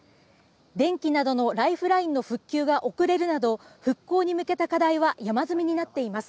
電気などのライフラインの復旧が遅れるなど、復興に向けた課題は山積みになっています。